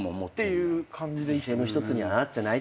犠牲の一つにはなってない。